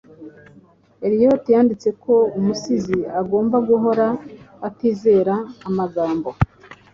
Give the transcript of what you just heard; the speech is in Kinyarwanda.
Eliot yanditse ko umusizi agomba guhora atizera amagambo,